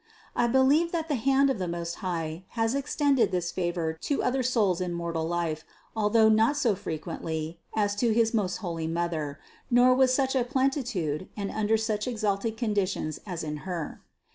I believe that the hand of the Most High has extended this favor to other souls in mortal life, although not so fre quently as to his most holy Mother, nor with such a plenitude and under such exalted conditions as in Her.